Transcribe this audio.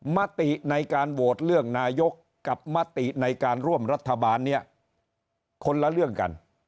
มติในการโหวตเลือกนายกกับมติในการร่วมรัฐบาลเนี่ยคนละเรื่องกัน